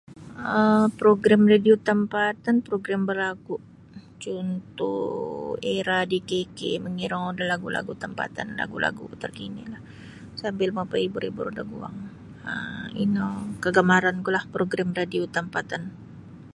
um progrim radio tampatan progrim balagu' cuntuh Era di KK mangirongou da lagu-lagu' tampatan lagu-lagu' tarkinilah sambil mapaibur-ibur daguang um ino kagamarankulah progrim radio tampatan.